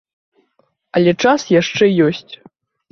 Але час яшчэ ёсць.